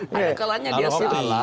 ada kalanya dia salah